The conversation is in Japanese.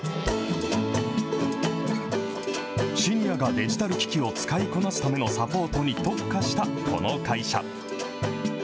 シニアがデジタル機器を使いこなすためのサポートに特化したこの会社。